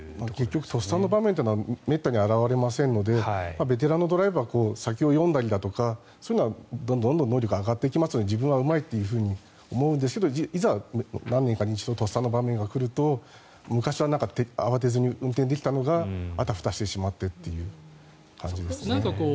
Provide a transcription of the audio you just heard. とっさの場面というのはめったに現れませんのでベテランのドライバーは先を読んだりとかそういった能力はどんどん上がっていくので自分はうまいと思うんですがいざ、何年かに一度とっさの場面が来ると昔は慌てずに運転できたのがあたふたしてしまってという感じですね。